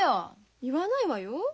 言わないわよ。